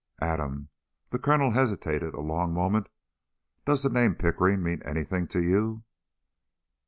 "Adam," the Colonel hesitated a long moment, "does the name Pickering mean anything to you?"